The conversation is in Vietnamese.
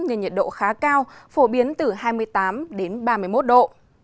nhưng nhiệt độ khá cao phổ biến từ hai mươi tám ba mươi một độ